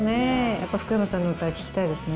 やっぱ福山さんの歌聴きたいですね